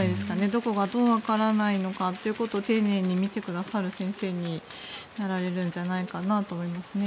どこがどうわからないのかってことを丁寧に見てくれる先生になられるんじゃないかなと思いますね。